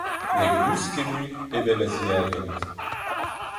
Ne gousk ket mui evel a-ziagent.